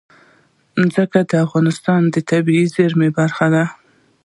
ځمکه د افغانستان د طبیعي زیرمو برخه ده.